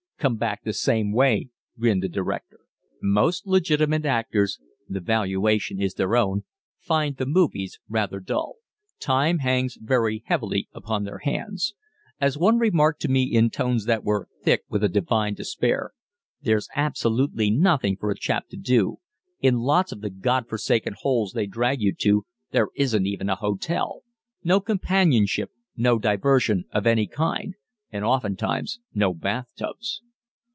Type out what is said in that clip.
"Come back the same way," grinned the director. Most "legitimate" actors the valuation is their own find the movies rather dull. Time hangs very heavily upon their hands. As one remarked to me in tones that were thick with a divine despair: "There's absolutely nothing for a chap to do. In lots of the God forsaken holes they drag you to, there isn't even a hotel. No companionship, no diversion of any kind, and oftentimes no bathtubs."